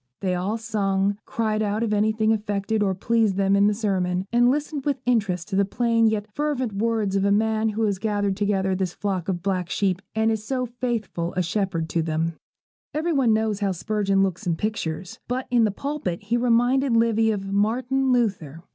They all sung, cried out if anything affected or pleased them in the sermon, and listened with interest to the plain yet fervent words of the man who has gathered together this flock of black sheep and is so faithful a shepherd to them. Every one knows how Spurgeon looks in pictures, but in the pulpit he reminded Livy of Martin Luther.